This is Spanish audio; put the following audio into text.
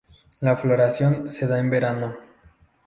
La floración se da en verano.